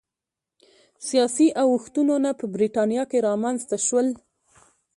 سیاسي اوښتونونه په برېټانیا کې رامنځته شول